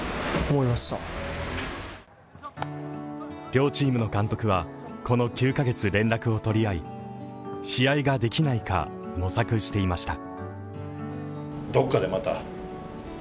両チームの監督は、この９ヶ月連絡を取り合い、試合ができないか模索していました。